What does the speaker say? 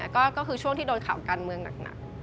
ก็คือช่วงที่โดนข่าวการเมืองหนัก